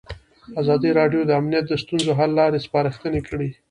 ازادي راډیو د امنیت د ستونزو حل لارې سپارښتنې کړي.